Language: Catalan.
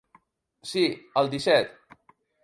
Sí, el disset.